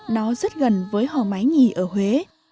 nó rất gần với hò mái nhì ở huế